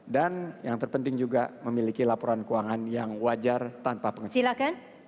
dan yang terpenting juga memiliki laporan keuangan yang wajar tanpa pengecualian